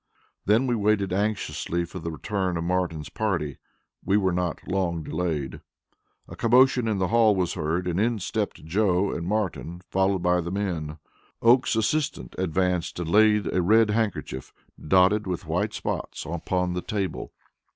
Then we waited anxiously for the return of Martin's party. We were not long delayed. A commotion in the hall was heard, and in stepped Joe and Martin, followed by the men. Oakes's assistant advanced and laid a red handkerchief, dotted with white spots, upon the table.